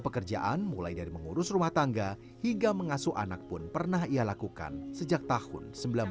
pekerjaan mulai dari mengurus rumah tangga hingga mengasuh anak pun pernah ia lakukan sejak tahun